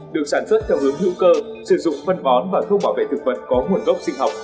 được sản xuất theo hướng hữu cơ sử dụng phân bón và thuốc bảo vệ thực vật có nguồn gốc sinh học